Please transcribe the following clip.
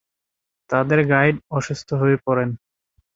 তাঁদের গাইড অসুস্থ হয়ে পড়েন।